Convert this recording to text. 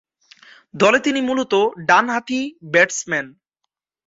দলে তিনি মূলতঃ ডানহাতি ব্যাটসম্যান।